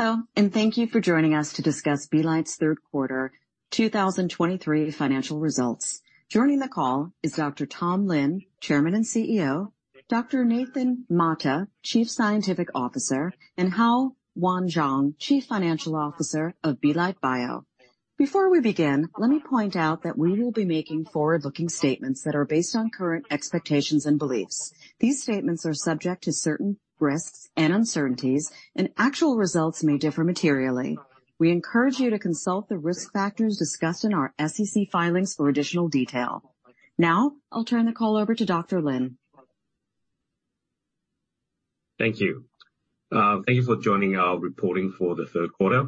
Hello, and thank you for joining us to discuss Belite Bio's third quarter 2023 financial results. Joining the call is Dr. Tom Lin, Chairman and CEO, Dr. Nathan Mata, Chief Scientific Officer, and Hao-Yuan Chuang, Chief Financial Officer of Belite Bio. Before we begin, let me point out that we will be making forward-looking statements that are based on current expectations and beliefs. These statements are subject to certain risks and uncertainties, and actual results may differ materially. We encourage you to consult the risk factors discussed in our SEC filings for additional detail. Now, I'll turn the call over to Dr. Lin. Thank you. Thank you for joining our reporting for the third quarter.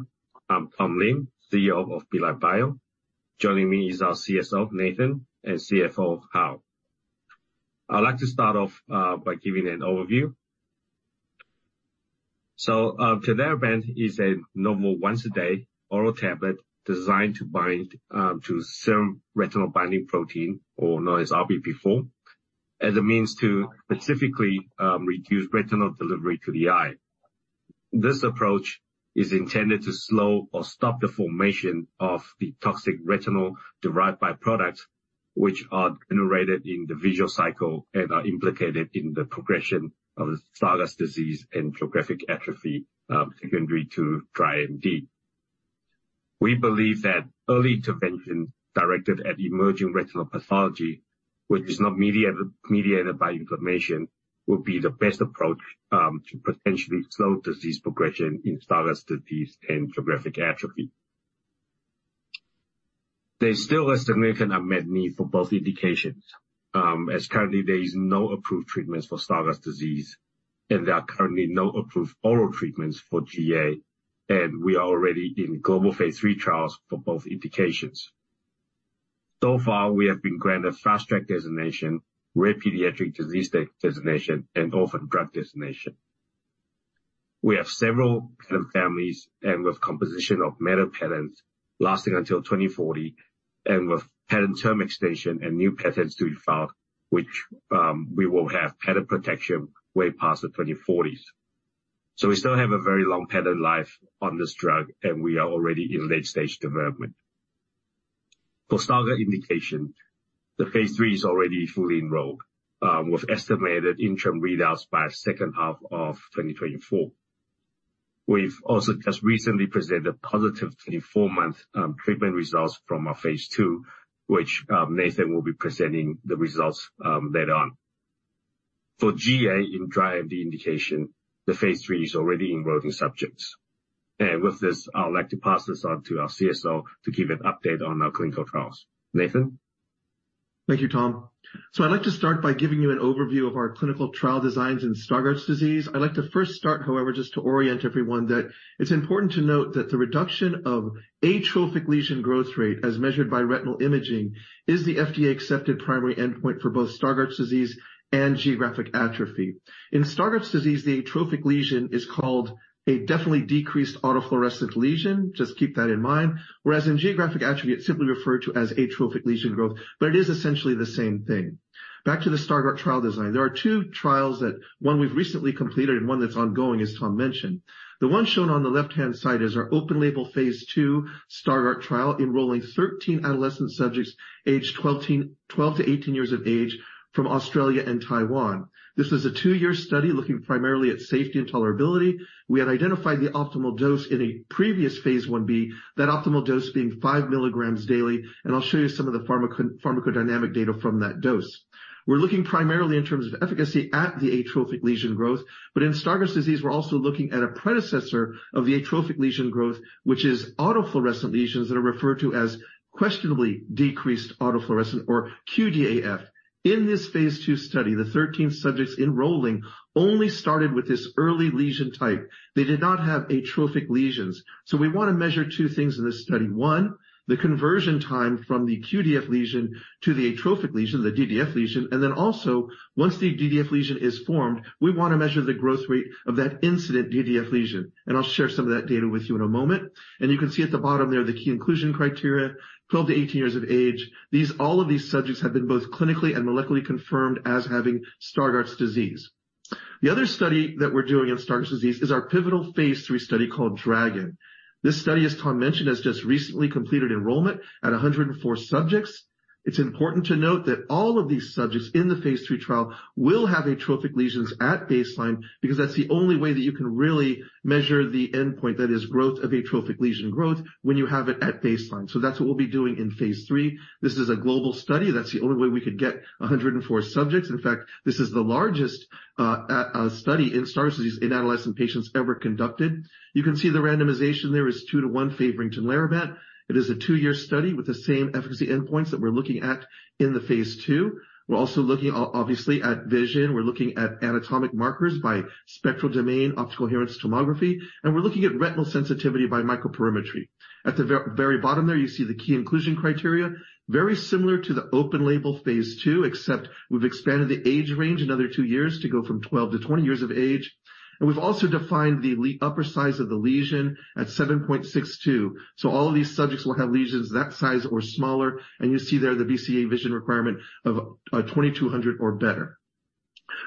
I'm Tom Lin, CEO of Belite Bio. Joining me is our CSO, Nathan, and CFO, Hao. I'd like to start off by giving an overview. So, Tinlarebant is a novel once-a-day oral tablet designed to bind to serum retinol-binding protein, or known as RBP4, as a means to specifically reduce retinol delivery to the eye. This approach is intended to slow or stop the formation of the toxic retinol-derived byproducts, which are generated in the visual cycle and are implicated in the progression of Stargardt disease and geographic atrophy, secondary to dry AMD. We believe that early intervention directed at emerging retinal pathology, which is not mediated, mediated by inflammation, will be the best approach to potentially slow disease progression in Stargardt disease and geographic atrophy. There's still a significant unmet need for both indications, as currently there is no approved treatments for Stargardt disease and there are currently no approved oral treatments for GA, and we are already in global Phase III trials for both indications. So far, we have been granted Fast Track designation, Rare Pediatric Disease designation, and Orphan Drug designation. We have several patent families and with composition of matter patents lasting until 2040, and with patent term extension and new patents to be filed, which, we will have patent protection way past the 2040s. So we still have a very long patent life on this drug, and we are already in late-stage development. For Stargardt indication, the Phase III is already fully enrolled, with estimated interim readouts by second half of 2024. We've also just recently presented positive 24-month treatment results from our Phase II, which Nathan will be presenting the results later on. For GA in dry AMD indication, the Phase III is already enrolling subjects. And with this, I'd like to pass this on to our CSO to give an update on our clinical trials. Nathan? Thank you, Tom. So I'd like to start by giving you an overview of our clinical trial designs in Stargardt disease. I'd like to first start, however, just to orient everyone, that it's important to note that the reduction of atrophic lesion growth rate, as measured by retinal imaging, is the FDA-accepted primary endpoint for both Stargardt disease and geographic atrophy. In Stargardt disease, the atrophic lesion is called a definitely decreased autofluorescence lesion. Just keep that in mind. Whereas in geographic atrophy, it's simply referred to as atrophic lesion growth, but it is essentially the same thing. Back to the Stargardt trial design. There are two trials that one we've recently completed and one that's ongoing, as Tom mentioned. The one shown on the left-hand side is our open label phase II Stargardt trial, enrolling 13 adolescent subjects aged 12 to 18 years of age from Australia and Taiwan. This is a two-year study looking primarily at safety and tolerability. We had identified the optimal dose in a previous phase Ib, that optimal dose being 5 mg daily, and I'll show you some of the pharmacodynamic data from that dose. We're looking primarily in terms of efficacy at the atrophic lesion growth, but in Stargardt disease, we're also looking at a predecessor of the atrophic lesion growth, which is autofluorescent lesions that are referred to as questionably decreased autofluorescence, or QDAF. In this phase II study, the 13 subjects enrolling only started with this early lesion type. They did not have atrophic lesions. So we want to measure two things in this study. One, the conversion time from the QDAF lesion to the atrophic lesion, the DDAF lesion, and then also, once the DDAF lesion is formed, we want to measure the growth rate of that incident DDAF lesion. I'll share some of that data with you in a moment. You can see at the bottom there, the key inclusion criteria, 12-18 years of age. These, all of these subjects have been both clinically and molecularly confirmed as having Stargardt disease. The other study that we're doing in Stargardt disease is our pivotal phase III study called DRAGON. This study, as Tom mentioned, has just recently completed enrollment at 104 subjects. It's important to note that all of these subjects in the phase III trial will have atrophic lesions at baseline, because that's the only way that you can really measure the endpoint that is growth of atrophic lesion growth when you have it at baseline. That's what we'll be doing in phase III. This is a global study. That's the only way we could get 104 subjects. In fact, this is the largest study in Stargardt disease in adolescent patients ever conducted. You can see the randomization there is 2-1 favoring Tinlarebant. It is a two-year study with the same efficacy endpoints that we're looking at in the phase II. We're also looking obviously at vision. We're looking at anatomic markers by spectral domain optical coherence tomography, and we're looking at retinal sensitivity by microperimetry. At the very bottom there, you see the key inclusion criteria, very similar to the open-label phase II, except we've expanded the age range another two years to go from 12 to 20 years of age. And we've also defined the upper size of the lesion at 7.62. So all of these subjects will have lesions that size or smaller, and you'll see there the BCVA vision requirement of 20/200 or better.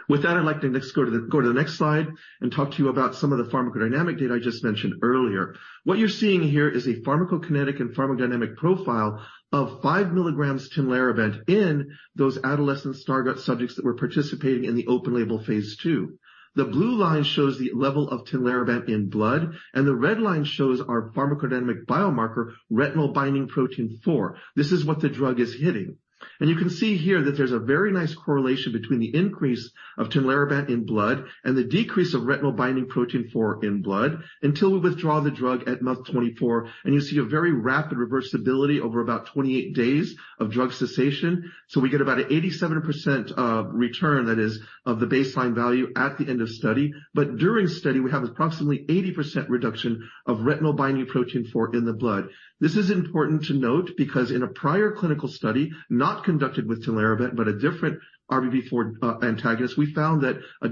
With that, I'd like to next go to the next slide and talk to you about some of the pharmacodynamic data I just mentioned earlier. What you're seeing here is a pharmacokinetic and pharmacodynamic profile of 5 mg Tinlarebant in those adolescent Stargardt subjects that were participating in the open label phase II. The blue line shows the level of Tinlarebant in blood, and the red line shows our pharmacodynamic biomarker, retinol-binding protein 4. This is what the drug is hitting. And you can see here that there's a very nice correlation between the increase of Tinlarebant in blood and the decrease of retinol-binding protein 4 in blood, until we withdraw the drug at month 24. You'll see a very rapid reversibility over about 28 days of drug cessation. So we get about 87%, return, that is, of the baseline value at the end of study. But during study, we have approximately 80% reduction of retinol-binding protein 4 in the blood. This is important to note because in a prior clinical study, not conducted with Tinlarebant, but a different RBP4 antagonist, we found that a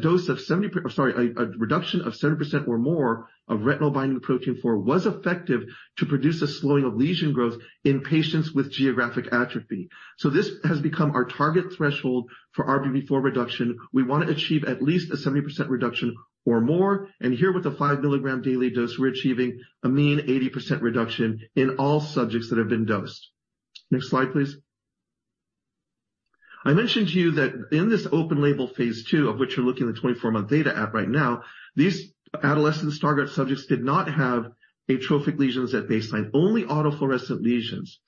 reduction of 70% or more of retinol-binding protein 4 was effective to produce a slowing of lesion growth in patients with geographic atrophy. So this has become our target threshold for RBP4 reduction. We want to achieve at least a 70% reduction or more, and here, with a 5 mg daily dose, we're achieving a mean 80% reduction in all subjects that have been dosed. Next slide, please. I mentioned to you that in this open-label phase II, of which you're looking at the 24-month data at right now, these adolescent Stargardt subjects did not have atrophic lesions at baseline, only autofluorescent lesions.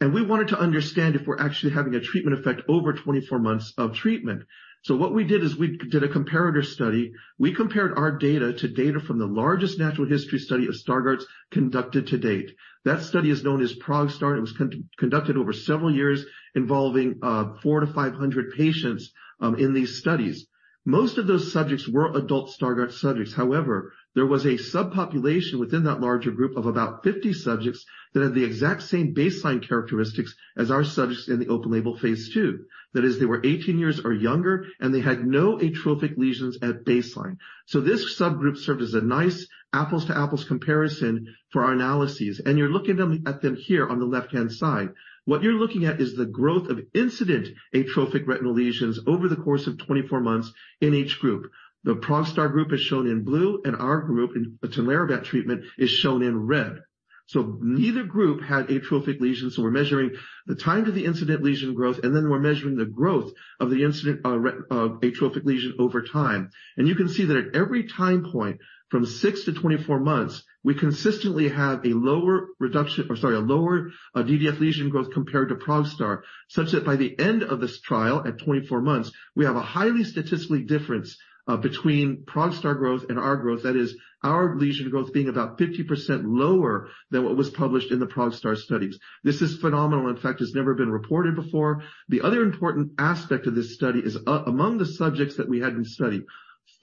We wanted to understand if we're actually having a treatment effect over 24 months of treatment. So what we did is we did a comparator study. We compared our data to data from the largest natural history study of Stargardt's conducted to date. That study is known as ProgStar. It was conducted over several years, involving 400-500 patients in these studies. Most of those subjects were adult Stargardt subjects. However, there was a subpopulation within that larger group of about 50 subjects that had the exact same baseline characteristics as our subjects in the open label phase II. That is, they were 18 years or younger, and they had no atrophic lesions at baseline. So this subgroup served as a nice apples to apples comparison for our analyses, and you're looking at them here on the left-hand side. What you're looking at is the growth of incident atrophic retinal lesions over the course of 24 months in each group. The ProgStar group is shown in blue, and our group, in Tinlarebant treatment, is shown in red. So neither group had atrophic lesions, so we're measuring the time to the incident lesion growth, and then we're measuring the growth of the incident atrophic lesion over time. You can see that at every time point, from six to 24 months, we consistently have a lower reduction, or sorry, a lower DDAF lesion growth compared to ProgStar, such that by the end of this trial, at 24 months, we have a highly statistically difference between ProgStar growth and our growth. That is, our lesion growth being about 50% lower than what was published in the ProgStar studies. This is phenomenal. In fact, it's never been reported before. The other important aspect of this study is among the subjects that we had in study,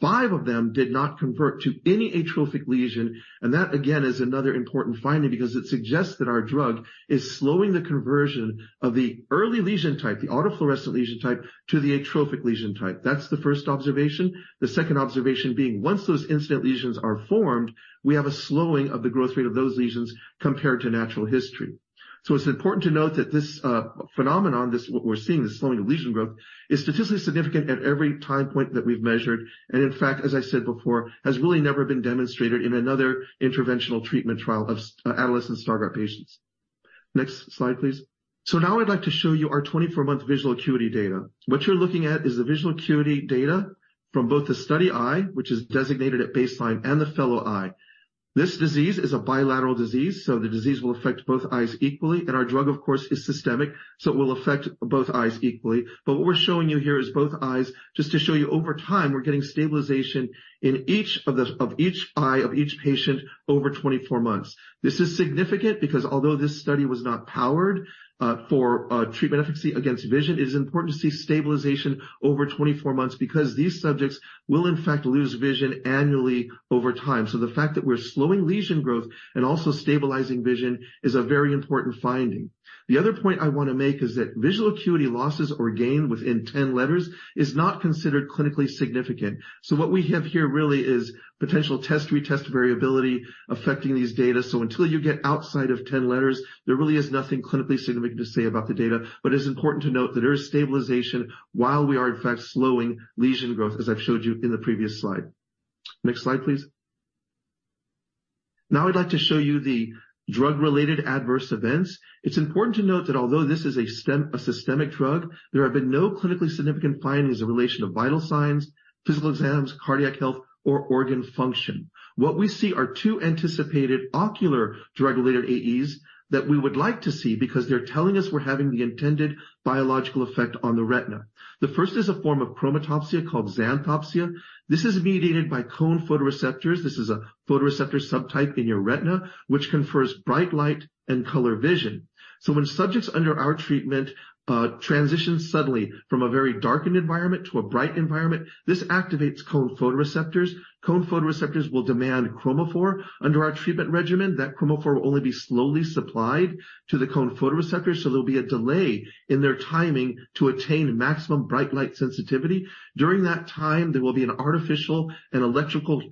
five of them did not convert to any atrophic lesion, and that, again, is another important finding because it suggests that our drug is slowing the conversion of the early lesion type, the autofluorescent lesion type, to the atrophic lesion type. That's the first observation. The second observation being, once those incident lesions are formed, we have a slowing of the growth rate of those lesions compared to natural history. So it's important to note that this phenomenon, this, what we're seeing, this slowing of lesion growth, is statistically significant at every time point that we've measured, and in fact, as I said before, has really never been demonstrated in another interventional treatment trial of adolescent Stargardt patients. Next slide, please. So now I'd like to show you our 24-month visual acuity data. What you're looking at is the visual acuity data from both the study eye, which is designated at baseline, and the fellow eye. This disease is a bilateral disease, so the disease will affect both eyes equally, and our drug, of course, is systemic, so it will affect both eyes equally. But what we're showing you here is both eyes, just to show you over time, we're getting stabilization in each eye of each patient over 24 months. This is significant because although this study was not powered for treatment efficacy against vision, it is important to see stabilization over 24 months because these subjects will in fact lose vision annually over time. So the fact that we're slowing lesion growth and also stabilizing vision is a very important finding. The other point I want to make is that visual acuity losses or gain within 10 letters is not considered clinically significant. So what we have here really is potential test-retest variability affecting these data. So until you get outside of 10 letters, there really is nothing clinically significant to say about the data. But it's important to note that there is stabilization while we are in fact slowing lesion growth, as I've showed you in the previous slide. Next slide, please. Now I'd like to show you the drug-related adverse events. It's important to note that although this is a systemic drug, there have been no clinically significant findings in relation to vital signs, physical exams, cardiac health, or organ function. What we see are two anticipated ocular drug-related AEs that we would like to see because they're telling us we're having the intended biological effect on the retina. The first is a form of chromatopsia called xanthopsia. This is mediated by cone photoreceptors. This is a photoreceptor subtype in your retina, which confers bright light and color vision. So when subjects under our treatment transition suddenly from a very darkened environment to a bright environment, this activates cone photoreceptors. Cone photoreceptors will demand chromophore. Under our treatment regimen, that chromophore will only be slowly supplied to the cone photoreceptors, so there'll be a delay in their timing to attain maximum bright light sensitivity. During that time, there will be an artificial and electrical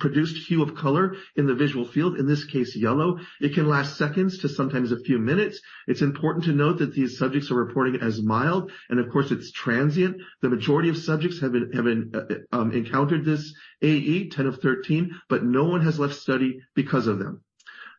produced hue of color in the visual field, in this case, yellow. It can last seconds to sometimes a few minutes. It's important to note that these subjects are reporting it as mild, and of course, it's transient. The majority of subjects have encountered this AE, 10 of 13, but no one has left study because of them.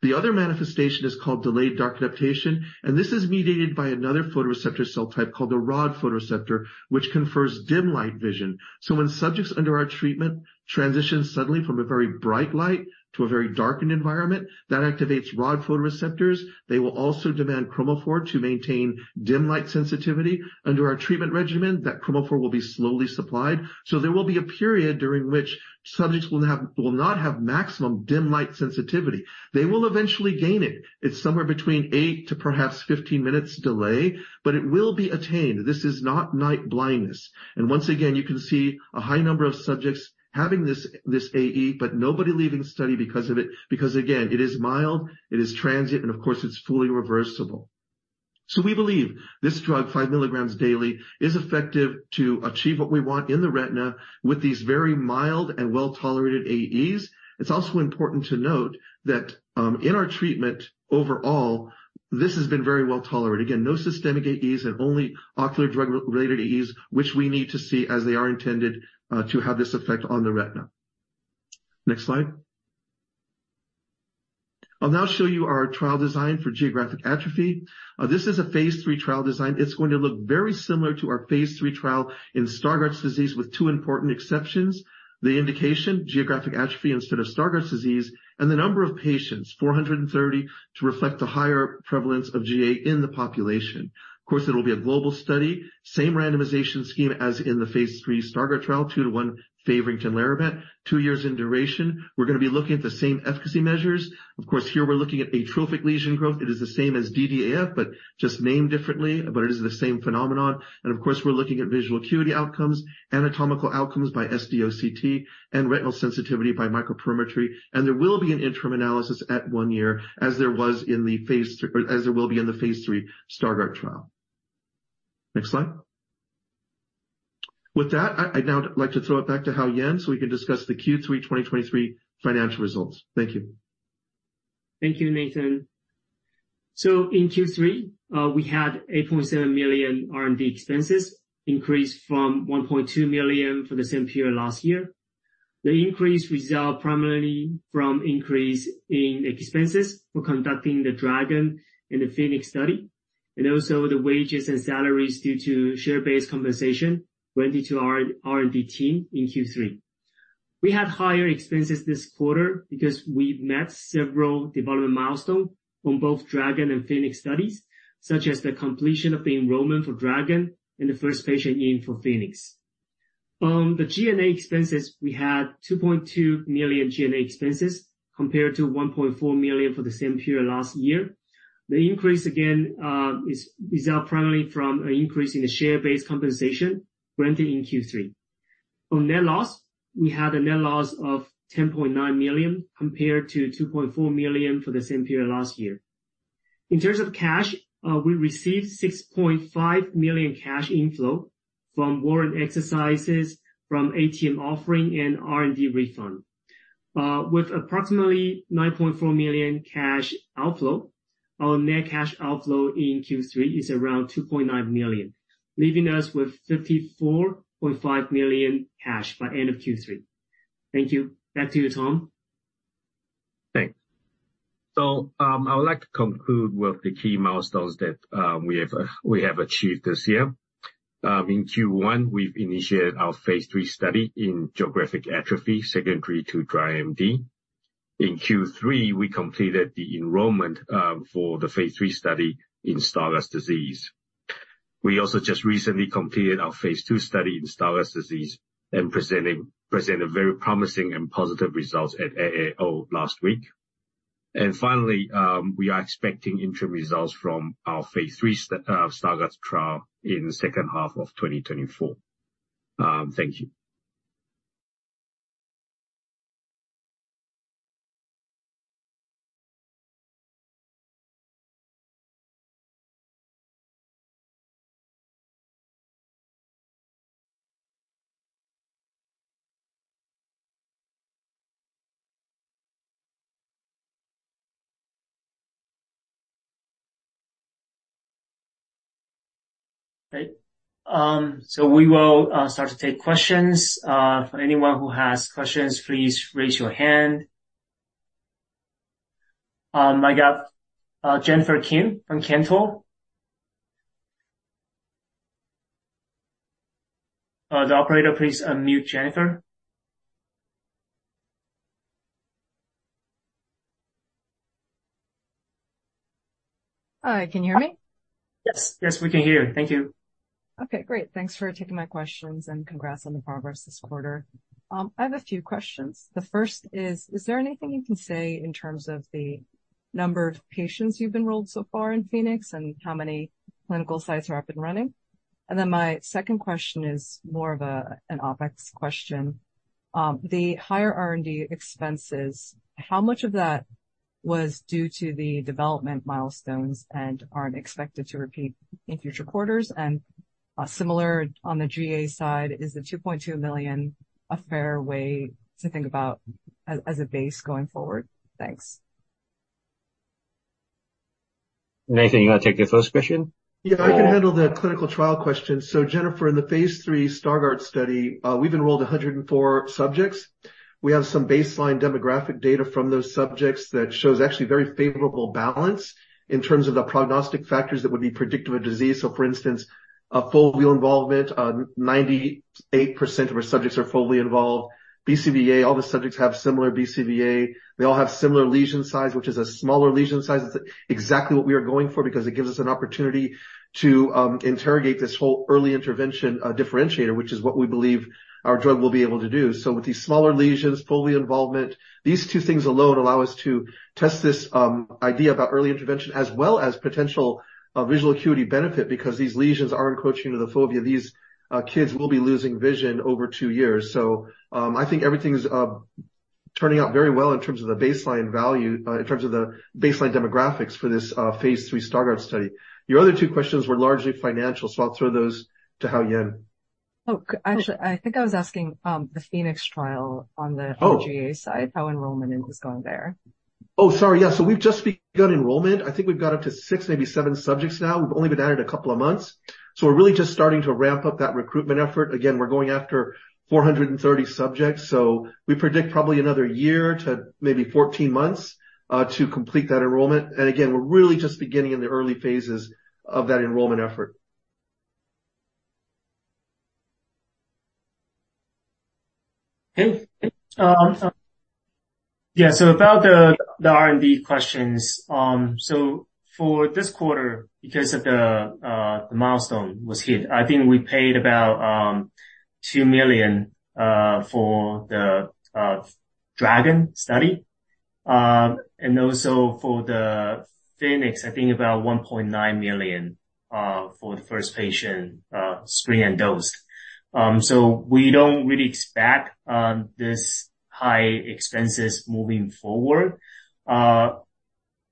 The other manifestation is called delayed dark adaptation, and this is mediated by another photoreceptor cell type called the rod photoreceptor, which confers dim light vision. So when subjects under our treatment transition suddenly from a very bright light to a very darkened environment, that activates rod photoreceptors. They will also demand chromophore to maintain dim light sensitivity. Under our treatment regimen, that chromophore will be slowly supplied. So there will be a period during which subjects will not have maximum dim light sensitivity. They will eventually gain it. It's somewhere between 8-15 minutes delay, but it will be attained. This is not night blindness. And once again, you can see a high number of subjects having this, this AE, but nobody leaving the study because of it, because, again, it is mild, it is transient, and of course, it's fully reversible. So we believe this drug, 5 mg daily, is effective to achieve what we want in the retina with these very mild and well-tolerated AEs. It's also important to note that, in our treatment overall, this has been very well tolerated. Again, no systemic AEs and only ocular drug-related AEs, which we need to see as they are intended, to have this effect on the retina. Next slide. I'll now show you our trial design for geographic atrophy. This is a Phase III trial design. It's going to look very similar to our Phase III trial in Stargardt's disease, with two important exceptions: the indication, geographic atrophy instead of Stargardt's disease, and the number of patients, 430, to reflect the higher prevalence of GA in the population. Of course, it'll be a global study, same randomization scheme as in the Phase III Stargardt trial, two to one favoring Tinlarebant, two years in duration. We're going to be looking at the same efficacy measures. Of course, here we're looking at atrophic lesion growth. It is the same as DDAF, but just named differently, but it is the same phenomenon. And of course, we're looking at visual acuity outcomes, anatomical outcomes by SD-OCT, and retinal sensitivity by microperimetry. And there will be an interim analysis at one year, as there was in the phase III—as there will be in the phase III Stargardt trial. Next slide. With that, I, I'd now like to throw it back to Hao-Yuan so we can discuss the Q3 2023 financial results. Thank you. Thank you, Nathan. So in Q3, we had $8.7 million R&D expenses, increased from $1.2 million for the same period last year. The increase resulted primarily from increase in expenses for conducting the DRAGON and the PHOENIX study, and also the wages and salaries due to share-based compensation granted to our R&D team in Q3. We had higher expenses this quarter because we met several development milestones on both DRAGON and PHOENIX studies, such as the completion of the enrollment for DRAGON and the first patient in for PHOENIX. On the G&A expenses, we had $2.2 million G&A expenses, compared to $1.4 million for the same period last year. The increase, again, is primarily from an increase in the share-based compensation granted in Q3. On net loss, we had a net loss of $10.9 million, compared to $2.4 million for the same period last year. In terms of cash, we received $6.5 million cash inflow from warrant exercises, from ATM offering and R&D refund. With approximately $9.4 million cash outflow, our net cash outflow in Q3 is around $2.9 million, leaving us with $54.5 million cash by end of Q3. Thank you. Back to you, Tom. Thanks. I would like to conclude with the key milestones that we have achieved this year. In Q1, we've initiated our phase III study in geographic atrophy, secondary to dry AMD. In Q3, we completed the enrollment for the phase III study in Stargardt's disease. We also just recently completed our phase II study in Stargardt's disease and presented very promising and positive results at AAO last week. And finally, we are expecting interim results from our phase III Stargardt's trial in the second half of 2024. Thank you. Right. So we will start to take questions. For anyone who has questions, please raise your hand. I got Jennifer Kim from Cantor. The operator, please unmute Jennifer. Hi, can you hear me? Yes. Yes, we can hear. Thank you. Okay, great. Thanks for taking my questions, and congrats on the progress this quarter. I have a few questions. The first is: Is there anything you can say in terms of the number of patients you've enrolled so far in PHOENIX and how many clinical sites are up and running? And then my second question is more of an OpEx question. The higher R&D expenses, how much of that was due to the development milestones and aren't expected to repeat in future quarters? And, similar on the GA side, is the $2.2 million a fair way to think about as, as a base going forward? Thanks.... Nathan, you want to take the first question? Yeah, I can handle the clinical trial question. So Jennifer, in the phase III Stargardt study, we've enrolled 104 subjects. We have some baseline demographic data from those subjects that shows actually very favorable balance in terms of the prognostic factors that would be predictive of disease. So for instance, a foveal involvement, 98% of our subjects are foveally involved. BCVA, all the subjects have similar BCVA. They all have similar lesion size, which is a smaller lesion size. It's exactly what we are going for because it gives us an opportunity to interrogate this whole early intervention differentiator, which is what we believe our drug will be able to do. So with these smaller lesions, fovea involvement, these two things alone allow us to test this idea about early intervention as well as potential visual acuity benefit, because these lesions are encroaching into the fovea. These kids will be losing vision over two years. So I think everything's turning out very well in terms of the baseline value in terms of the baseline demographics for this phase III Stargardt study. Your other two questions were largely financial, so I'll throw those to Hao-Yuan. Oh, actually, I think I was asking, the PHOENIX trial on the- Oh. - GA side, how enrollment is going there? Oh, sorry. Yeah, so we've just begun enrollment. I think we've got up to six, maybe seven subjects now. We've only been at it a couple of months, so we're really just starting to ramp up that recruitment effort. Again, we're going after 430 subjects, so we predict probably another year to maybe 14 months to complete that enrollment. And again, we're really just beginning in the early phases of that enrollment effort. Hey, yeah, so about the R&D questions. So for this quarter, because of the milestone was hit, I think we paid about $2 million for the DRAGON study. And also for the PHOENIX, I think about $1.9 million for the first patient screen and dosed. So we don't really expect this high expenses moving forward.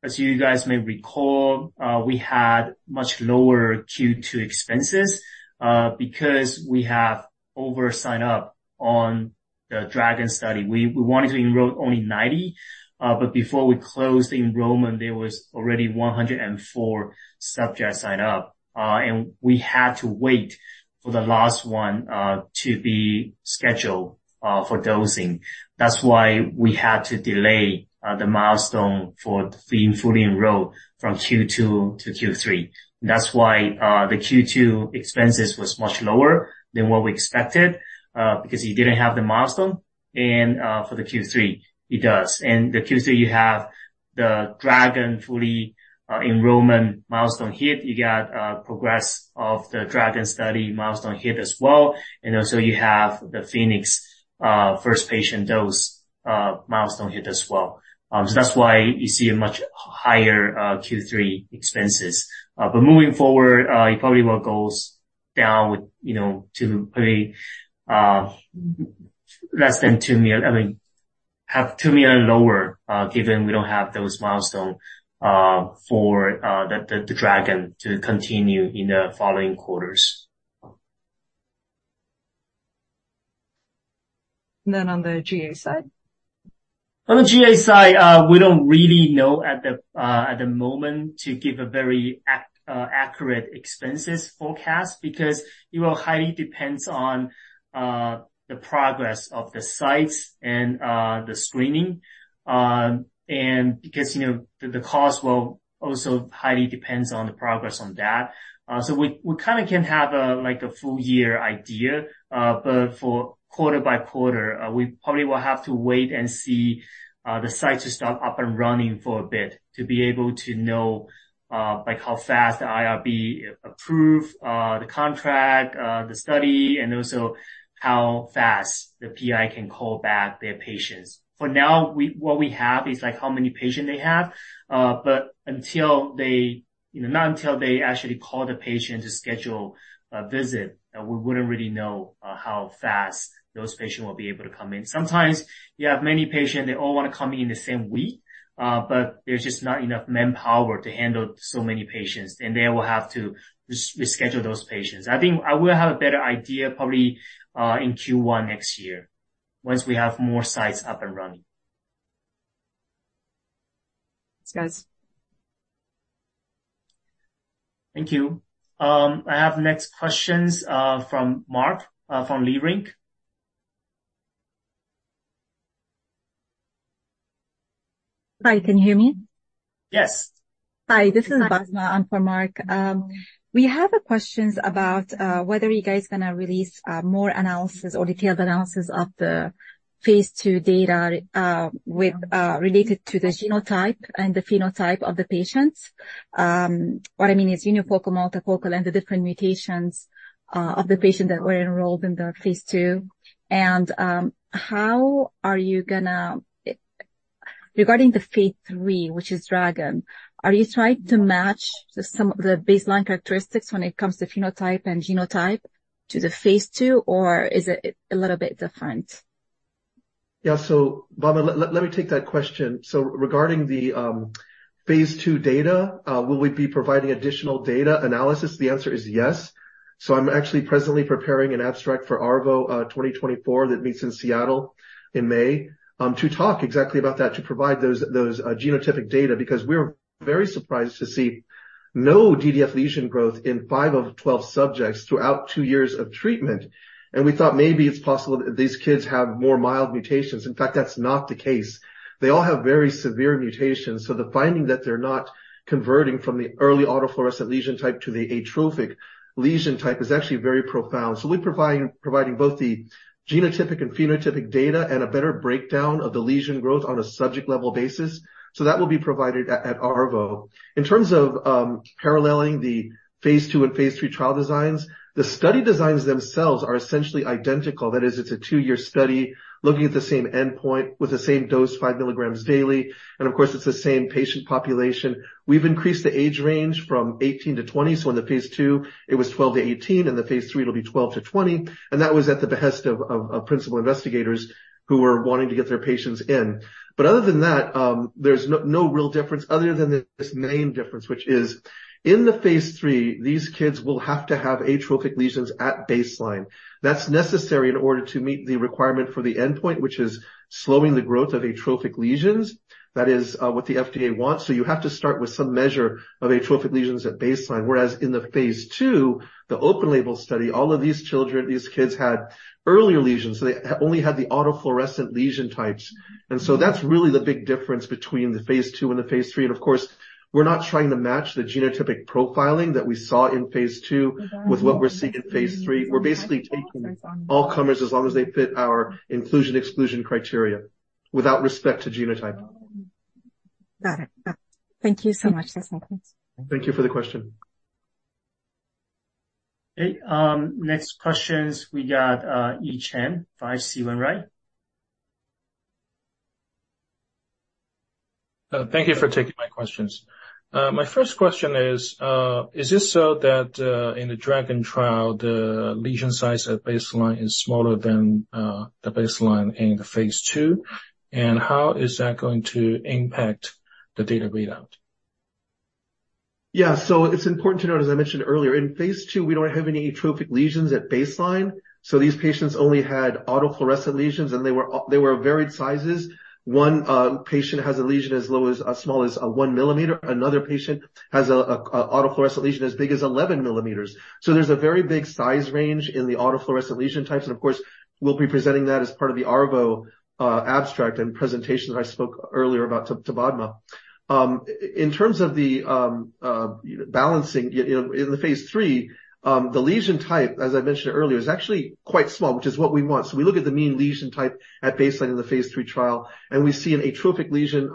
As you guys may recall, we had much lower Q2 expenses because we have over signed up on the DRAGON study. We wanted to enroll only 90, but before we closed the enrollment, there was already 104 subjects signed up. And we had to wait for the last one to be scheduled for dosing. That's why we had to delay the milestone for being fully enrolled from Q2 to Q3. That's why the Q2 expenses was much lower than what we expected because you didn't have the milestone, and for the Q3, it does. And the Q3, you have the DRAGON fully enrollment milestone hit, you got progress of the DRAGON study milestone hit as well, and also you have the PHOENIX first patient dose milestone hit as well. So that's why you see a much higher Q3 expenses. But moving forward, it probably will goes down with, you know, to probably less than 2 million-I mean, have $2 million lower, given we don't have those milestone for the DRAGON to continue in the following quarters. And then on the GA side? On the GA side, we don't really know at the moment to give a very accurate expenses forecast, because it will highly depends on the progress of the sites and the screening. And because, you know, the cost will also highly depends on the progress on that. So we kind of can have a like a full year idea, but for quarter by quarter, we probably will have to wait and see the sites to start up and running for a bit, to be able to know like how fast the IRB approve the contract the study, and also how fast the PI can call back their patients. For now, what we have is like how many patients they have, but until they... You know, not until they actually call the patient to schedule a visit, we wouldn't really know how fast those patients will be able to come in. Sometimes you have many patients, they all want to come in the same week, but there's just not enough manpower to handle so many patients, and they will have to reschedule those patients. I think I will have a better idea, probably, in Q1 next year, once we have more sites up and running. Thanks, guys. Thank you. I have next questions from Mark from Leerink. Hi, can you hear me? Yes. Hi, this is Basma. I'm for Mark. We have a questions about whether you guys gonna release more analysis or detailed analysis of the phase II data with related to the genotype and the phenotype of the patients. What I mean is unifocal, multifocal, and the different mutations of the patient that were enrolled in the phase II. And how are you gonna regarding the phase III, which is DRAGON, are you trying to match the baseline characteristics when it comes to phenotype and genotype to the phase II, or is it a little bit different?... Yeah, so, Padma, let me take that question. So regarding the phase II data, will we be providing additional data analysis? The answer is yes. So I'm actually presently preparing an abstract for ARVO 2024, that meets in Seattle in May, to talk exactly about that, to provide those genotypic data, because we were very surprised to see no DDAF lesion growth in five of the 12 subjects throughout two years of treatment. And we thought maybe it's possible that these kids have more mild mutations. In fact, that's not the case. They all have very severe mutations. So the finding that they're not converting from the early autofluorescent lesion type to the atrophic lesion type is actually very profound. So we're providing both the genotypic and phenotypic data and a better breakdown of the lesion growth on a subject-level basis. So that will be provided at ARVO. In terms of paralleling the phase II and phase III trial designs, the study designs themselves are essentially identical. That is, it's a two-year study looking at the same endpoint with the same dose, 5 mg daily, and of course, it's the same patient population. We've increased the age range from eighteen to twenty, so in the phase II, it was twelve to eighteen, in the phase III, it'll be twelve to twenty, and that was at the behest of principal investigators who were wanting to get their patients in. But other than that, there's no, no real difference other than this name difference, which is in the phase III, these kids will have to have atrophic lesions at baseline. That's necessary in order to meet the requirement for the endpoint, which is slowing the growth of atrophic lesions. That is what the FDA wants. So you have to start with some measure of atrophic lesions at baseline, whereas in the phase II, the open label study, all of these children, these kids had earlier lesions, so they only had the autofluorescent lesion types. And so that's really the big difference between the phase II and the phase III. And of course, we're not trying to match the genotypic profiling that we saw in phase II with what we're seeing in phase III. We're basically taking all comers as long as they fit our inclusion, exclusion criteria without respect to genotype. Got it. Thank you so much, Nathan. Thank you for the question. Hey, next questions we got, Yi Chen, from H.C. Wainwright. Thank you for taking my questions. My first question is, is this so that, in the DRAGON trial, the lesion size at baseline is smaller than the baseline in the phase II? And how is that going to impact the data readout? Yeah. So it's important to note, as I mentioned earlier, in phase II, we don't have any atrophic lesions at baseline, so these patients only had autofluorescent lesions, and they were varied sizes. One patient has a lesion as small as 1 mm. Another patient has a autofluorescent lesion as big as 11 mm. So there's a very big size range in the autofluorescent lesion types, and of course, we'll be presenting that as part of the ARVO abstract and presentation that I spoke earlier about to Padma. In terms of the balancing in phase III, the lesion type, as I mentioned earlier, is actually quite small, which is what we want. So we look at the mean lesion type at baseline in the phase III trial, and we see an atrophic lesion,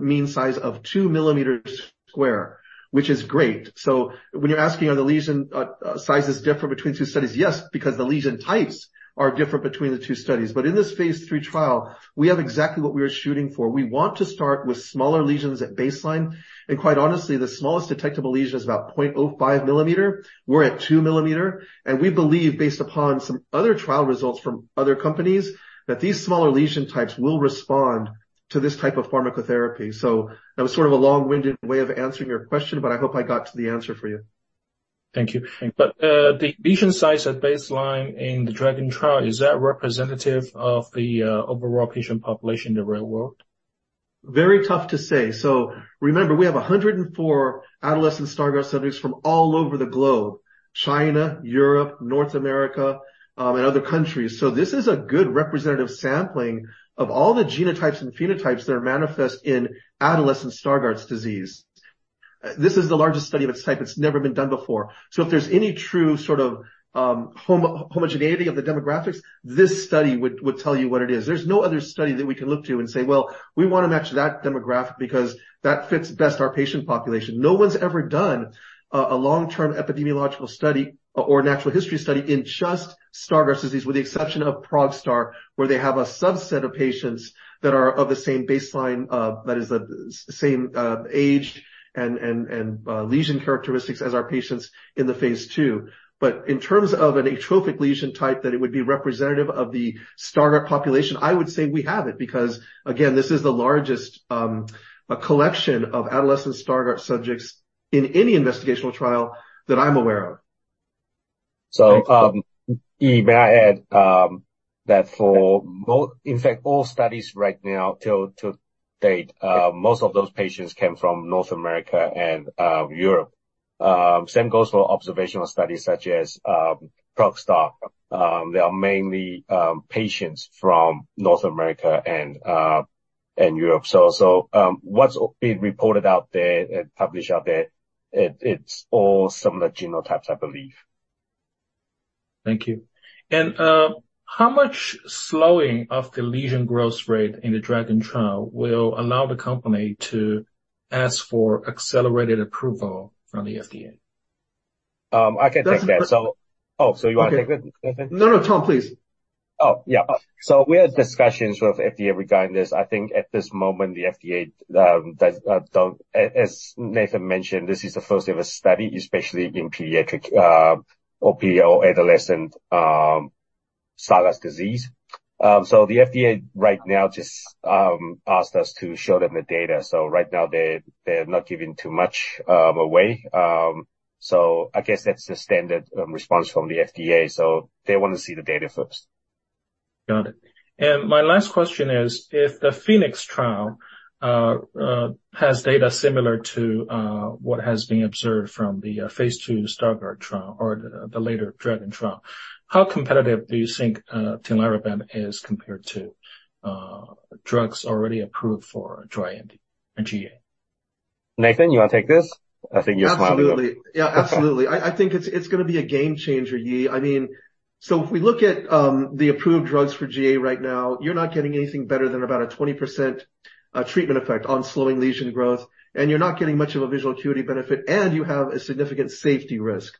mean size of 2 mm square, which is great. So when you're asking, are the lesion, sizes different between two studies? Yes, because the lesion types are different between the two studies. But in this phase III trial, we have exactly what we are shooting for. We want to start with smaller lesions at baseline, and quite honestly, the smallest detectable lesion is about 0.05 mm. We're at 2 mm, and we believe, based upon some other trial results from other companies, that these smaller lesion types will respond to this type of pharmacotherapy. So that was sort of a long-winded way of answering your question, but I hope I got to the answer for you. Thank you. But, the lesion size at baseline in the DRAGON trial, is that representative of the overall patient population in the real world? Very tough to say. So remember, we have 104 adolescent Stargardt subjects from all over the globe: China, Europe, North America, and other countries. So this is a good representative sampling of all the genotypes and phenotypes that are manifest in adolescent Stargardt disease. This is the largest study of its type. It's never been done before. So if there's any true sort of homogeneity of the demographics, this study would tell you what it is. There's no other study that we can look to and say: Well, we want to match that demographic because that fits best our patient population. No one's ever done a long-term epidemiological study or natural history study in just Stargardt's disease, with the exception of ProgStar, where they have a subset of patients that are of the same baseline, that is, the same age and lesion characteristics as our patients in the phase II. But in terms of an atrophic lesion type, that it would be representative of the Stargardt population, I would say we have it, because, again, this is the largest collection of adolescent Stargardt subjects in any investigational trial that I'm aware of. So, Yi, may I add that in fact all studies right now to date, most of those patients came from North America and Europe. Same goes for observational studies such as ProgStar. They are mainly patients from North America and Europe. So, what's being reported out there and published out there, it's all similar genotypes, I believe. Thank you. And, how much slowing of the lesion growth rate in the DRAGON trial will allow the company to ask for accelerated approval from the FDA? I can take that. So- Oh, so you want to take it, Nathan? No, no, Tom, please. Oh, yeah. So we had discussions with FDA regarding this. I think at this moment, the FDA don't... As Nathan mentioned, this is the first-ever study, especially in pediatric or adolescent Stargardt disease. So the FDA right now just asked us to show them the data. So right now, they, they have not given too much away. So I guess that's the standard response from the FDA. So they want to see the data first. Got it. My last question is, if the PHOENIX trial has data similar to what has been observed from the phase II Stargardt trial or the later DRAGON trial, how competitive do you think Tinlarebant is compared to drugs already approved for dry AMD and GA? Nathan, you want to take this? I think you're- Absolutely. Yeah, absolutely. I think it's gonna be a game changer, Yi. I mean, so if we look at the approved drugs for GA right now, you're not getting anything better than about a 20% treatment effect on slowing lesion growth, and you're not getting much of a visual acuity benefit, and you have a significant safety risk.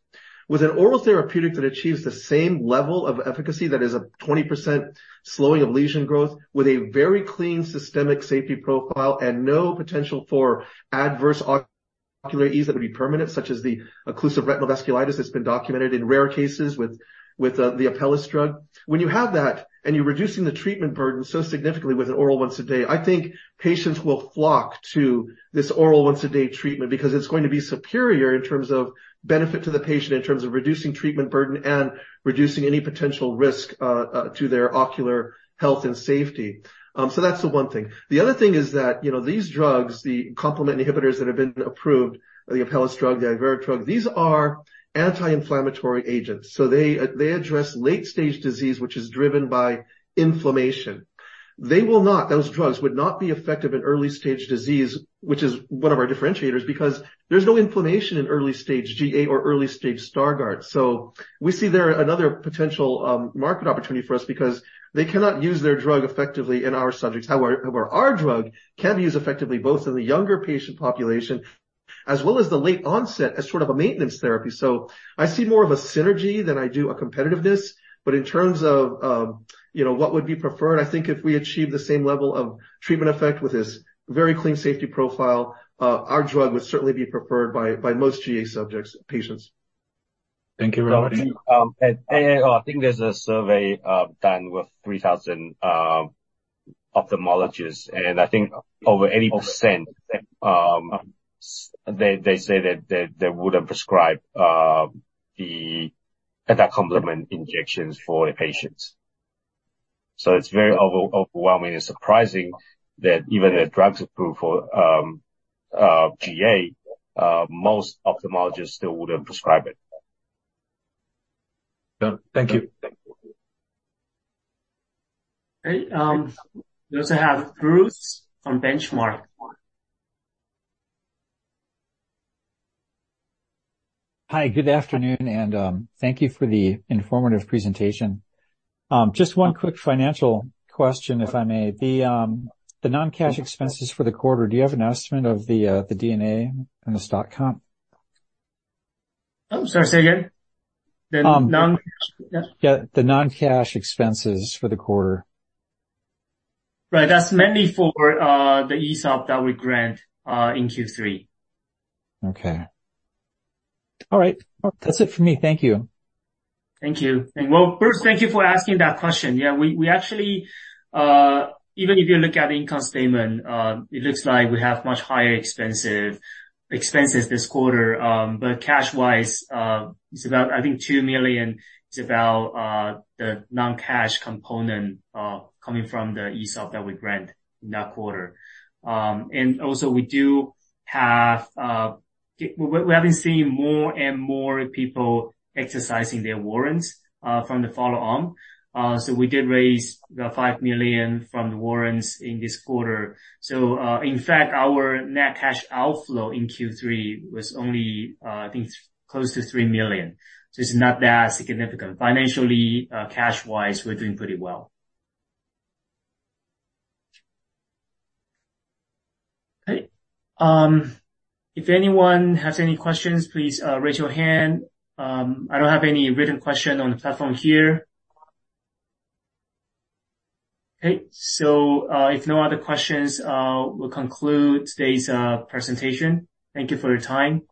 With an oral therapeutic that achieves the same level of efficacy, that is a 20% slowing of lesion growth, with a very clean systemic safety profile and no potential for adverse ocular events that would be permanent, such as the occlusive retinal vasculitis that's been documented in rare cases with the Apellis drug. When you have that, and you're reducing the treatment burden so significantly with an oral once a day, I think patients will flock to this oral once-a-day treatment, because it's going to be superior in terms of benefit to the patient, in terms of reducing treatment burden and reducing any potential risk to their ocular health and safety. So that's the one thing. The other thing is that, you know, these drugs, the complement inhibitors that have been approved, the Apellis drug, the Iveric drug, these are anti-inflammatory agents, so they, they address late-stage disease, which is driven by inflammation. They will not. Those drugs would not be effective in early-stage disease, which is one of our differentiators, because there's no inflammation in early-stage GA or early-stage Stargardt. So we see there another potential market opportunity for us because they cannot use their drug effectively in our subjects. However, our drug can be used effectively both in the younger patient population as well as the late onset, as sort of a maintenance therapy. So I see more of a synergy than I do a competitiveness. But in terms of, you know, what would be preferred, I think if we achieve the same level of treatment effect with this very clean safety profile, our drug would certainly be preferred by most GA subjects, patients. Thank you very much. And I think there's a survey done with 3,000 ophthalmologists, and I think over 80%, they, they say that, that they wouldn't prescribe the attack complement injections for their patients. So it's very overwhelming and surprising that even the drugs approved for GA, most ophthalmologists still wouldn't prescribe it. Got it. Thank you. Thank you. Okay, we also have Bruce from Benchmark. Hi, good afternoon, and thank you for the informative presentation. Just one quick financial question, if I may. The non-cash expenses for the quarter, do you have an estimate of the D&A and the stock comp? Oh, sorry, say again? The non- Yeah, the non-cash expenses for the quarter. Right. That's mainly for the ESOP that we grant in Q3. Okay. All right, well, that's it for me. Thank you. Thank you. Well, Bruce, thank you for asking that question. Yeah, we actually even if you look at the income statement, it looks like we have much higher expenses this quarter. But cash-wise, it's about, I think, $2 million, is about the non-cash component coming from the ESOP that we grant in that quarter. And also we have been seeing more and more people exercising their warrants from the follow-on. So we did raise the $5 million from the warrants in this quarter. So in fact, our net cash outflow in Q3 was only, I think, close to $3 million. So it's not that significant. Financially, cash-wise, we're doing pretty well. Okay, if anyone has any questions, please raise your hand. I don't have any written question on the platform here. Okay, so, if no other questions, we'll conclude today's presentation. Thank you for your time.